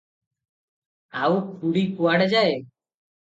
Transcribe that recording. ଆଉ ଖୁଡ଼ି କୁଆଡ଼େ ଯାଏ ।